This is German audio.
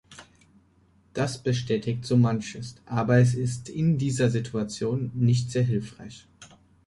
Das bestätigt so manches, aber es ist in dieser Situation nicht sehr hilfreich.